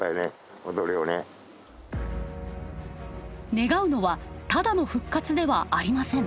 願うのはただの復活ではありません。